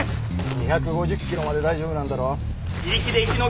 ２５０キロまで大丈夫なんだろ？